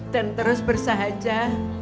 dan terus bersahaja